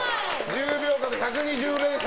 １０秒間で１２０連打。